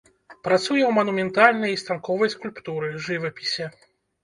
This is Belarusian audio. Працуе ў манументальнай і станковай скульптуры, жывапісе.